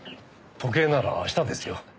時計なら明日ですよ。